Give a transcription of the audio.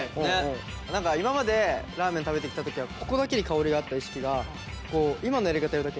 何か今までラーメン食べてきた時はここだけで香りがあった意識がこう今のやり方やるだけでこういう意識に。